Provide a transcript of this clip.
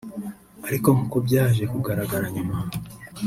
Ariko nk’uko byaje kugaragara nyuma